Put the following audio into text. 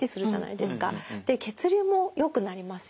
で血流もよくなりますよね。